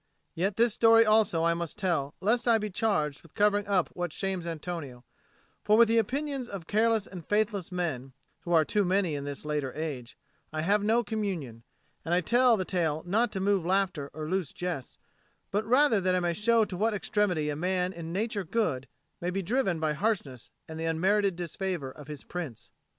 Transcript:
Yet this story also I must tell, lest I be charged with covering up what shames Antonio; for with the opinions of careless and faithless men (who are too many in this later age) I have no communion, and I tell the tale not to move laughter or loose jests, but rather that I may show to what extremity a man in nature good may be driven by harshness and the unmerited disfavour of his Prince.